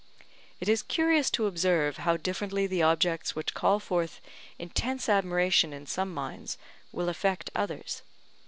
It is curious to observe how differently the objects which call forth intense admiration in some minds will affect others.